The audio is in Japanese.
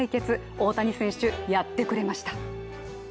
大谷選手、やってくれました。